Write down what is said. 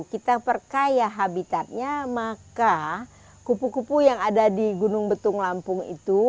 kita perkaya habitatnya maka kupu kupu yang ada di gunung betung lampung itu